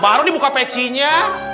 baru di muka pecinya